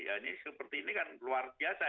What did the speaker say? ya ini seperti ini kan luar biasa